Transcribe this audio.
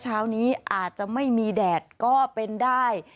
เช้านี้อาจจะไม่มีแดดก็เป็นได้